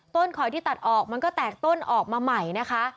ขอยที่ตัดออกมันก็แตกต้นออกมาใหม่นะคะ